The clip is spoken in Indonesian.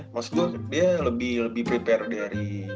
maksudnya dia lebih prepare dari